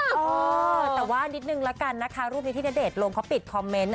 แต่ว่านิดนึงนะคะรูปนี้ที่ณเดชน์ลงพี่แจ๊กจ๋าพี่แปรปิดคอมเมนต์